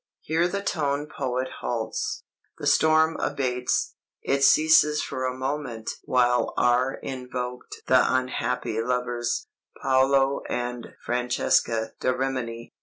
"Here the tone poet halts. The storm abates; it ceases for a moment while are invoked the unhappy lovers, Paolo and Francesca da Rimini.